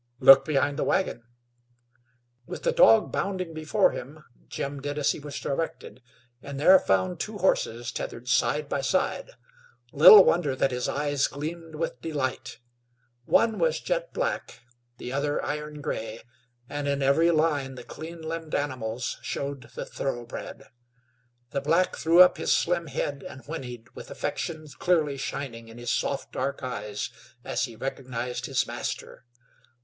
"Look behind the wagon." With the dog bounding before him, Joe did as he was directed, and there found two horses tethered side by side. Little wonder that his eyes gleamed with delight. One was jet black; the other iron gray and in every line the clean limbed animals showed the thoroughbred. The black threw up his slim head and whinnied, with affection clearly shining in his soft, dark eyes as he recognized his master.